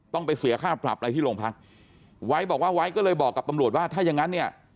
ต้องไปเสียค่าปรับอะไรที่โรงพักไว้บอกว่าไว้ก็เลยบอกกับตำรวจว่าถ้าอย่างงั้นเนี่ย